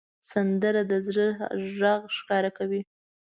سندره د زړه غږ ښکاره کوي